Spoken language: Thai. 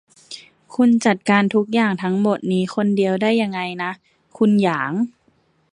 คุณจัดการทุกอย่างทั้งหมดนี้คนเดียวได้ยังไงนะ คุณหยาง